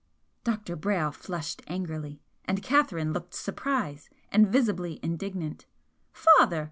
Dr. Brayle flushed angrily and Catherine looked surprised and visibly indignant. "Father!